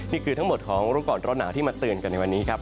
นี่คือทั้งหมดของรู้ก่อนร้อนหนาวที่มาเตือนกันในวันนี้ครับ